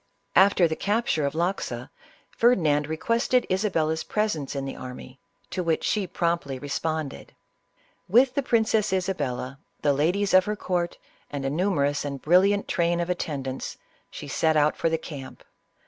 After the capture of Loxa, Ferdinand requested Isa bella's presence in the army, to which she promptly responded. With the Princess Isab lla, the ladies of her court, and a numerous and brilliant train of at tendants, she set out for the camp.